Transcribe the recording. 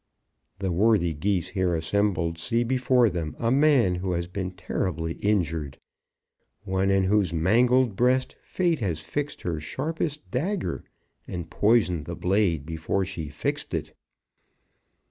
The worthy Geese here assembled see before them a man who has been terribly injured; one in whose mangled breast Fate has fixed her sharpest dagger, and poisoned the blade before she fixed it."